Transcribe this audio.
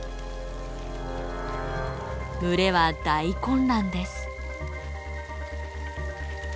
群れは大混乱です。